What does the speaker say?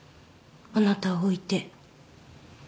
あなたを置いて。